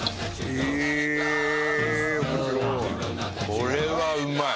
これはうまい！